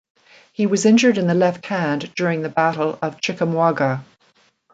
He was injured in the left hand during the Battle of Chickamauga.